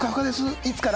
いつから？